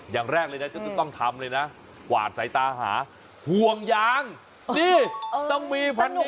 อย่างแรกเลยนะก็จะต้องทำเลยนะกวาดสายตาหาห่วงยางนี่ต้องมีพนม